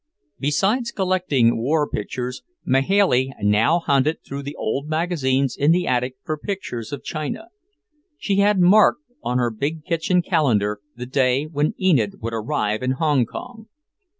Besides collecting war pictures, Mahailey now hunted through the old magazines in the attic for pictures of China. She had marked on her big kitchen calendar the day when Enid would arrive in Hong Kong.